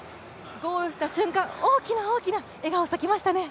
ゴールした瞬間、大きな大きな笑顔が咲きましたね。